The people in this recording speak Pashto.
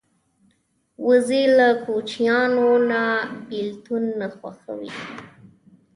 وزې له کوچنیانو نه بېلتون نه خوښوي